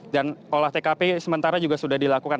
dan olah tkp sementara juga sudah dilakukan